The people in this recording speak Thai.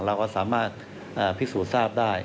เราก็สามารถพิสูจน์ทราบได้